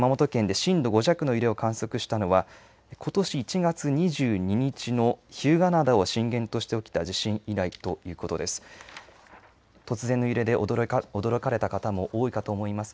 気象庁によりますと、熊本県で、震度５弱の揺れを観測したのはことし１月２２日の日向灘を震源として起きた地震以来ということです。